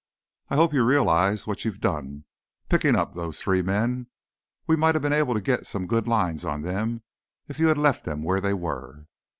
"I hope you realize what you've done, picking up those three men. We might have been able to get some good lines on them, if you'd left them where they were."